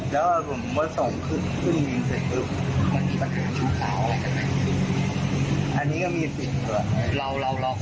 แล้วผมว่าส่งขึ้นกิ๊กสุดท้ายมันมีปัญหาชุดเปล่าอะไรกันไหม